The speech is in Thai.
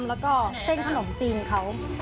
แล้วก็เส้นขนมจีนเขา